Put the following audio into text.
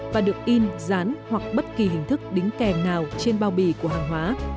và được in rán hoặc bất kỳ hình thức đính kèm nào trên bao bì của hàng hóa